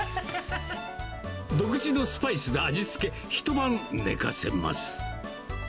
独自のスパイスで味付け、一晩寝かせます。